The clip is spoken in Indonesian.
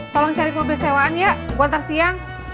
tolong cari mobil sewaan ya gue ntar siang